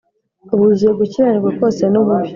Buzuye gukiranirwa kose n’ububi